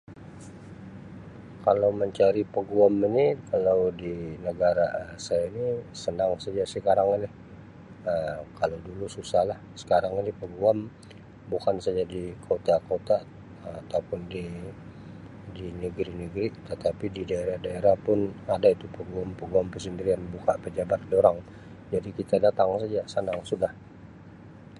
Kalau mencari peguam ini kalau di negara Um saya ini senang saja sekarang ini Um kalau dulu susahlah sekarang ini peguam bukan saja di kota-kota Um ataupun di-di negeri-negeri tetapi di daerah-daerah pun ada itu peguam-peguam persendirian buka pejabat durang jadi kita datang saja, senang sudah.